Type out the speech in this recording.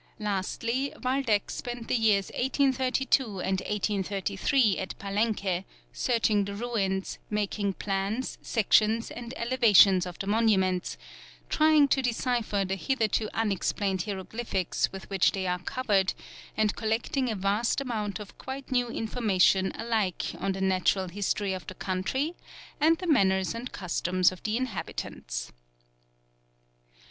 Lastly, Waldeck spent the years 1832 and 1833 at Palenque, searching the ruins, making plans, sections, and elevations of the monuments, trying to decipher the hitherto unexplained hieroglyphics with which they are covered, and collecting a vast amount of quite new information alike on the natural history of the country and the manners and customs of the inhabitants.